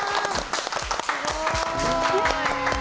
すごい。